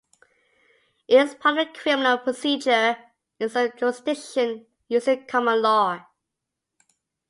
It is part of the criminal procedure in some jurisdictions using common law.